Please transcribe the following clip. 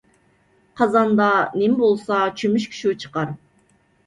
قازاندا نىمە بولسا چۆمۈچكە شۇ چىقار.